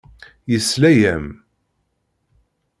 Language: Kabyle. Yesla-am.